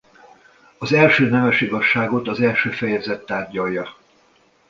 A első nemes igazságot az első fejezet tárgyalja.